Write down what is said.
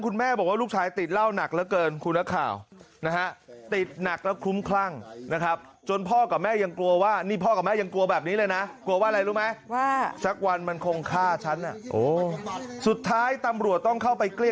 คุณแม่บอกว่าลูกชายติดเหล้าหนักแล้วเกินคุณข่าวนะฮะติดหนักแล้วคุ้มครั่งนะครับจนพ่อกับแม่ยังกลัวว่านี่พ่อกับแม่ยังกลัวแบบนี้เลยนะกลัวว่าอะไรรู้ไหมว่า